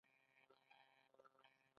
ایا زه پنسلین لګولی شم؟